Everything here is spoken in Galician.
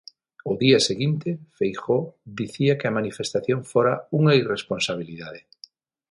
Ao día seguinte, Feijóo dicía que a manifestación fora unha irresponsabilidade.